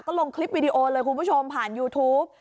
ก็ลงคลิปวิดีโอเลยคุณผู้ชมผ่านยูทูป